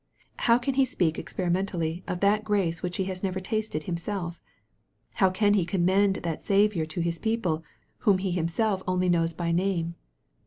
How can he speak experimentally of that grace which he has never tasted himself? How can he commend that Saviour to his people whom he himself only knows by name